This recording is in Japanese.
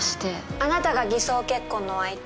・あなたが偽装結婚のお相手？